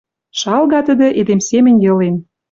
Шалга тӹдӹ, эдем семӹнь йылен